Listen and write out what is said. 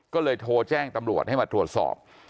ก็เลยโทรแจ้งตำรวจให้มาตรวจสอบ